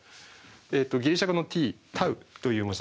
ギリシャ語のｔτという文字。